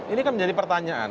ini kan menjadi pertanyaan